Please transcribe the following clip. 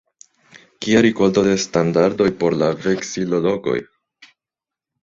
Kia rikolto de standardoj por la veksilologoj!